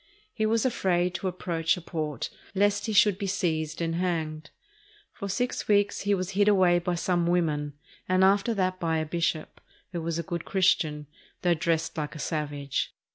He was afraid to approach a port lest he should be seized and hanged. For six weeks he was hid away by some women, and after that by a bishop, who was a good Christian, though dressed like a savage.